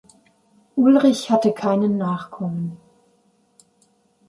Ulrich hatte keine Nachkommen.